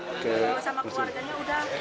sama keluarganya sudah